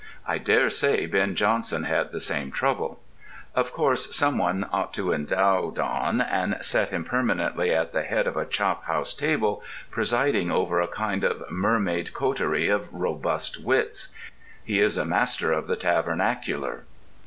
I dare say Ben Jonson had the same trouble. Of course someone ought to endow Don and set him permanently at the head of a chophouse table, presiding over a kind of Mermaid coterie of robust wits. He is a master of the tavernacular.